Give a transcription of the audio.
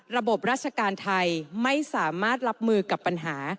ระบบราชการไทยไม่สามารถรับมือกับปัญหา